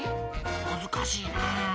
むずかしいな。